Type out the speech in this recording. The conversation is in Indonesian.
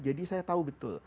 jadi saya tahu betul